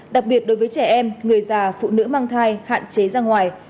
đặc biệt đối với trẻ em người già phụ nữ mang thai hạn chế ra ngoài